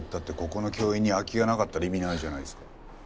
ここの教員に空きがなかったら意味ないじゃないですか。